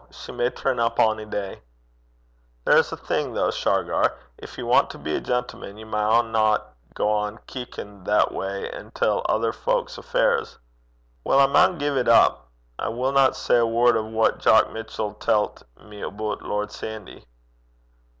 She may turn up ony day.' 'There's ae thing, though, Shargar: gin ye want to be a gentleman, ye maunna gang keekin' that gate intil ither fowk's affairs.' 'Weel, I maun gie 't up. I winna say a word o' what Jock Mitchell tellt me aboot Lord Sandy.'